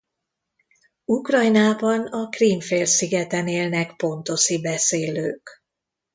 Ukrajnában a Krím-félszigeten élnek pontoszi beszélők.